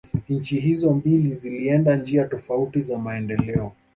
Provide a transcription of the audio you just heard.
Nchi hizo mbili zilienda njia tofauti za maendeleo